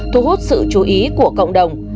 thu hút sự chú ý của cộng đồng